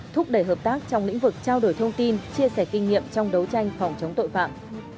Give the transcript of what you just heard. thúc đẩy hợp tác trong lĩnh vực trao đổi thông tin chia sẻ kinh nghiệm trong đấu tranh phòng chống tội phạm